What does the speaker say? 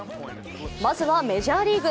まずはメジャーリーグ。